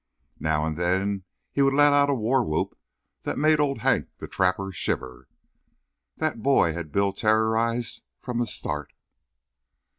Now and then he would let out a war whoop that made Old Hank the Trapper shiver. That boy had Bill terrorized from the start.